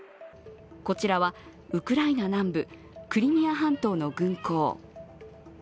こちらはウクライナ南部クリミア半島の軍港。